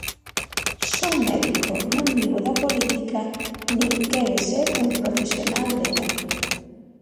Son médico, non vivo da política nin quere ser un profesional dela.